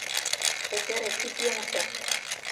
Эпере ит йыҥысе.